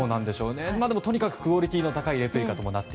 とにかくクオリティーの高いレプリカだと。